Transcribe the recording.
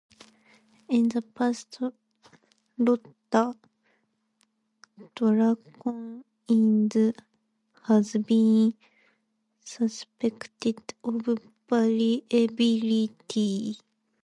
In the past Iota Draconis has been suspected of variability.